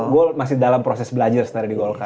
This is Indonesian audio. golkar masih dalam proses belajar sebenarnya di golkar